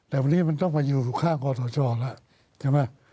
แต่วันนี้มันต้องมาอยู่ทุกข้างกรทชแล้ว